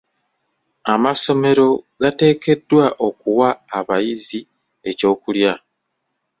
Amasomero gateekeddwa okuwa abayizi ekyokulya.